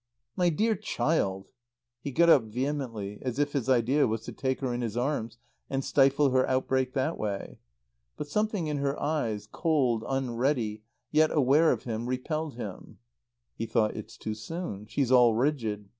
"My dear child " He got up vehemently, as if his idea was to take her in his arms and stifle her outbreak that way. But something in her eyes, cold, unready, yet aware of him, repelled him. He thought: "It's too soon. She's all rigid.